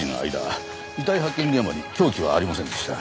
遺体発見現場に凶器はありませんでした。